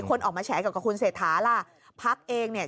คนออกมาแฉกับคุณเศรษฐาล่ะพักเองเนี่ย